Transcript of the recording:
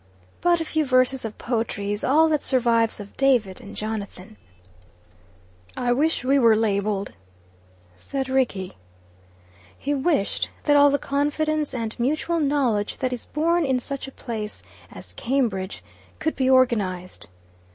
But a few verses of poetry is all that survives of David and Jonathan. "I wish we were labelled," said Rickie. He wished that all the confidence and mutual knowledge that is born in such a place as Cambridge could be organized.